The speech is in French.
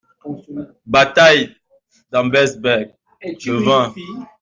Bataille d'Abensberg, le vingt.